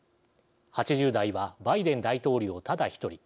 ８０代はバイデン大統領ただ一人。